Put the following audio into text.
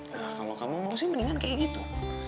nah kalau kamu mau sih mendingan kayak gitu